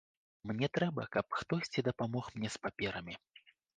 Мне трэба, каб хтосьці дапамог мне з паперамі.